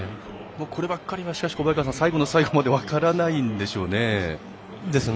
こればっかりは最後の最後まで分からないんでしょうね。